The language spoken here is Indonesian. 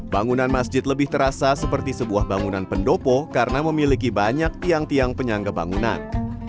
bangunan masjid lebih terasa seperti sebuah bangunan pendopo karena memiliki banyak tiang tiang penyangga bangunan